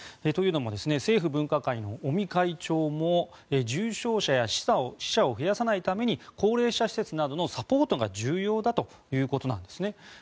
というのも政府分科会の尾身会長も重症者や死者を増やさないために高齢者施設などのサポートが重要だということなんですね。